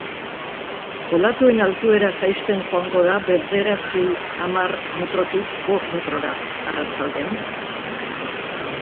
Olatuen altuera jaisten joango da bederatzi-hamar metrotik bost metrora, arratsaldean.